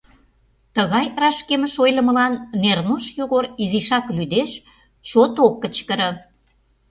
Тыгай рашкемыш ойлымылан Нернош Йогор изишак лӱдеш, чот ок кычкыре.